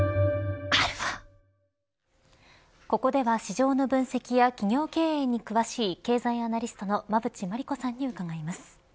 ここでは市場の分析や企業経営に詳しい経済アナリストの馬渕磨理子さんに伺います。